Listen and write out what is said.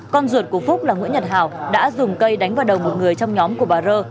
con ruột của phúc là nguyễn nhật hào đã dùng cây đánh vào đầu một người trong nhóm của bà rơ